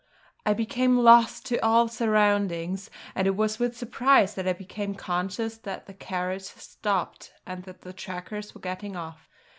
I became lost to all surroundings; and it was with surprise that I became conscious that the carriage had stopped and that the trackers were getting off.